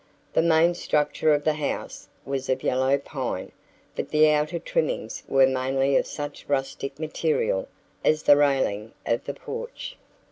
The main structure of the house was of yellow pine, but the outer trimmings were mainly of such rustic material as the railing of the porch.